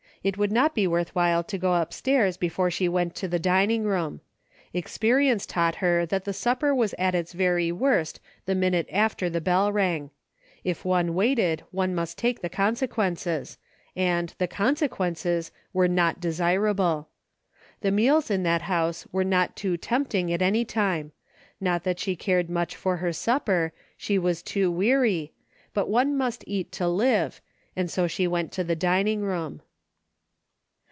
It would not be worth while to go upstairs before she went to the dining room. Experience taught her that the supper was at its very worst the minute after the bell rang. If one waited one must take the consequences, and 'Hhe consequences" were not desirable. The meals in that house were not too tempting at any time. I^ot that she cared much for her supper, she was too weary, but one must eat to live, and so she went to the dining room.